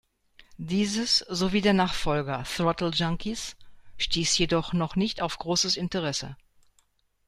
Dieses sowie der Nachfolger "Throttle Junkies", stieß jedoch noch nicht auf großes Interesse.